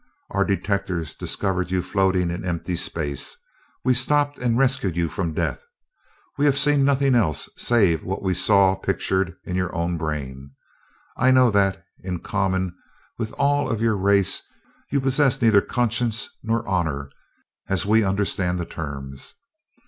Our detectors discovered you floating in empty space; we stopped and rescued you from death. We have seen nothing else, save what we saw pictured in your own brain. I know that, in common with all of your race, you possess neither conscience nor honor, as we understand the terms.